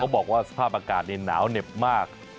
บอกว่าสภาพอากาศนี่หนาวเหน็บมาก